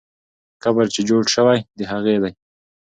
قبر چې جوړ سوی، د هغې دی.